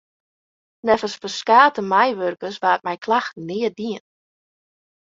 Neffens ferskate meiwurkers waard mei klachten neat dien.